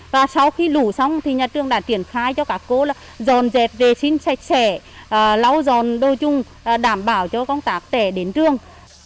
và sau khi lũ xong thì nhà trường đã tiển khai cho các cô là dòn dẹp vệ sinh sạch sẽ lau dòn đôi chung đảm bảo cho công tác tẻ đến trường